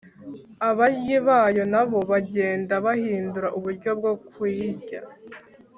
abaryi bayo na bo bagenda bahindura uburyo bwo kuyirya.